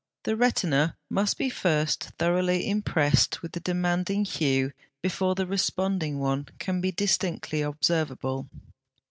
The retina must be first thoroughly impressed with the demanding hue before the responding one can be distinctly observable.